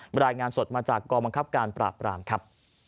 รายงานสดมาจากกองบังคับการปราบปรามครับ